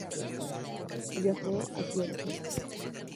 Viajó a Tierra Santa.